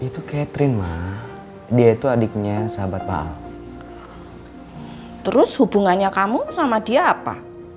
terus hubungannya kamu sama dia apa